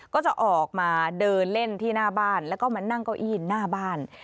ก็จะออกมาเดินเล่นที่หน้าบ้านแล้วก็มานั่งเก้าอี้หน้าบ้าน